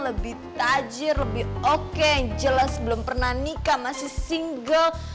lebih tajir lebih oke jelas belum pernah nikah masih single